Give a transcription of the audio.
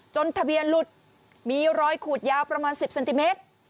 ทะเบียนหลุดมีรอยขูดยาวประมาณ๑๐เซนติเมตร